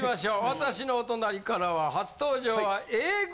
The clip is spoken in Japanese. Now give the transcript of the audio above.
私のお隣からは初登場はＡぇ！